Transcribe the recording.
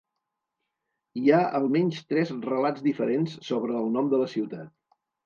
Hi ha almenys tres relats diferents sobre el nom de la ciutat.